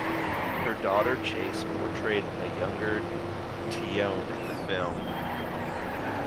Her daughter Chase portrayed a younger Tionne in the film.